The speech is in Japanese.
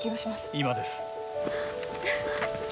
今です。